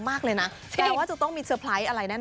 เยอะมากเลยนะแปลว่าจะต้องมีเซอร์ไพรส์อะไรแน่นอน